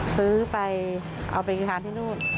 ซื้อไปเอาไปทานที่นู่น